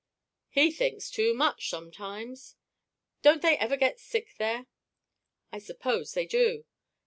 "He thinks too much sometimes." "Don't they ever get sick there?" "I suppose they do."